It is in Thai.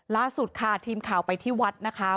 ล่าสุดค่ะทีมข่าวไปที่วัดนะคะ